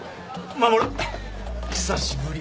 護久しぶり。